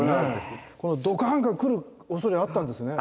このドカーンが来るおそれはあったんですね。